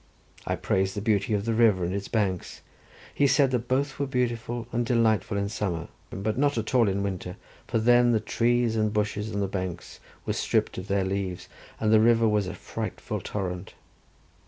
I praised the beauty of the river and its banks: he said that both were beautiful and delightful in summer, but not at all in winter, for then the trees and bushes on the banks were stripped of their leaves, and the river was a frightful torrent.